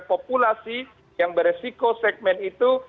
populasi yang beresiko segmen itu